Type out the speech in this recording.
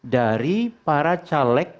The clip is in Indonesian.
dari para caleg